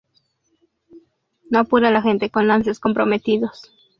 No apure la gente en lances comprometidos.